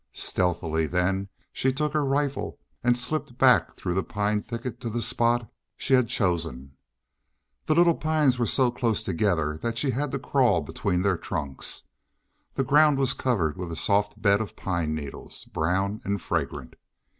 Stealthily then she took her rifle and slipped back through the pine thicket to the spot she had chosen. The little pines were so close together that she had to crawl between their trunks. The ground was covered with a soft bed of pine needles, brown and fragrant.